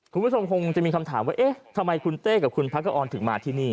คุณผู้ชมคงจะมีคำถามว่าเอ๊ะทำไมคุณเต้กับคุณพักกะออนถึงมาที่นี่